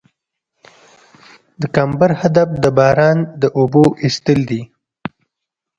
د کمبر هدف د باران د اوبو ایستل دي